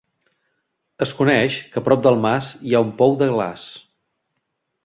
Es coneix que prop del mas hi ha un pou de glaç.